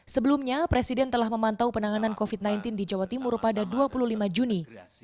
sebelumnya presiden telah memantau penanganan covid sembilan belas di jawa timur pada dua puluh lima juni